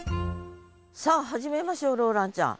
さあ始めましょうローランちゃん。